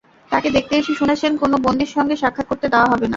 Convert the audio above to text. তাঁকে দেখতে এসে শুনেছেন কোনো বন্দীর সঙ্গে সাক্ষাৎ করতে দেওয়া হবে না।